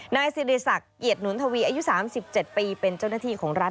นายสิริศักดิ์เกียรติหนุนทวีอายุ๓๗ปีเป็นเจ้าหน้าที่ของรัฐ